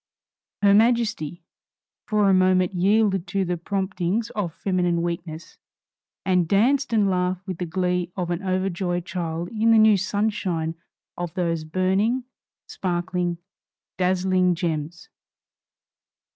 Her Majesty, for a moment, yielded to the promptings of feminine weakness, and danced and laughed with the glee of an overjoyed child in the new sunshine of those burning, sparkling, dazzling gems.